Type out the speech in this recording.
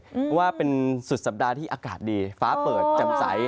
เพราะว่าเป็นสุดสัปดาห์ที่อากาศดีฟ้าเปิดแจ่มใส